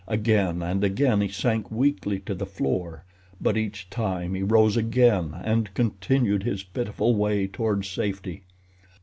Again and again he sank weakly to the floor; but each time he rose again and continued his pitiful way toward safety.